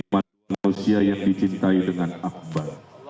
manusia yang dicintai dengan akbar